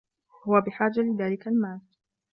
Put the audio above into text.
هو بحاجة لذلك المال.